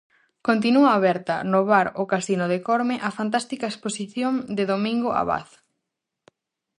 Continúa aberta, no bar O Casino de Corme, a fantástica exposición de Domingo Abad.